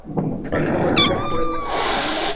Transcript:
আমি তোমার রিপোর্ট পড়েছি।